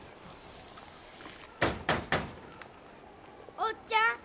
・おっちゃん。